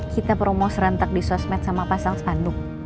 kita promos rentak di sosmed sama pasang spanduk